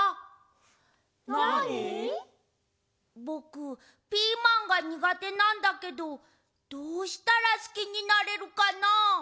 ぼくピーマンがにがてなんだけどどうしたらすきになれるかな？